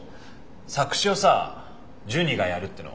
作詞をさジュニがやるっていうの。